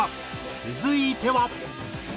続いては。